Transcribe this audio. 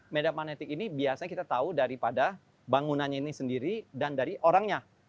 medan magnetik ini biasanya kita tahu daripada bangunannya ini sendiri dan dari orangnya